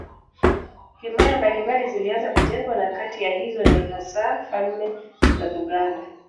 Himaya mbalimbali zilianza kujengwa na kati ya hizo ni hasa falme za Buganda